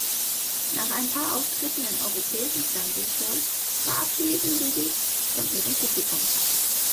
Nach ein paar Auftritten in europäischen Fernsehshows verabschiedeten sie sich von ihrem Publikum.